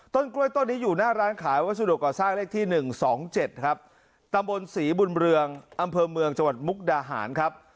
ต้นกล้วยต้นนี้อยู่หน้าร้านขายวัสดุก่อสร้างเลขที่๑๒๗ครับตำบลศรีบุญเรืองอำเภอเมืองจังหวัดมุกดาหารครับ